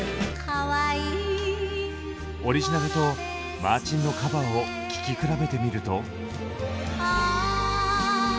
オリジナルとマーチンのカバーを聴き比べてみると。